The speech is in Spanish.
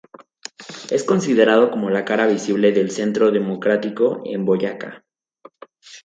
Es considerado como la cara visible del Centro Democrático en Boyacá.